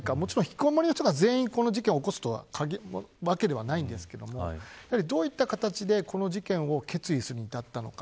もちろん、ひきこもりの人が全員このような事件を起こすとは限りませんがどういった形でこの事件を決意するに至ったのか。